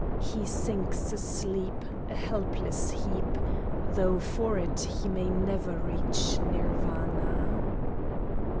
He sinks asleep A helpless heap, Tho for it he may never reach Nirvana.